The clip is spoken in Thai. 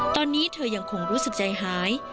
ตอนนี้เธอยังคงรู้สึกใจหาย